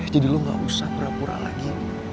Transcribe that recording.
jadi lo gak usah pura pura lagi